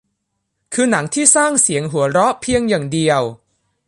คือหนังที่สร้างเสียงหัวเราะเพียงอย่างเดียว